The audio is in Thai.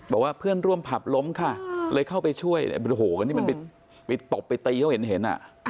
บอกว่าเพื่อนร่วมผับล้มค่ะเลยเข้าไปช่วยโอ้โหอันนี้มันไปตบไปตีเขาเห็น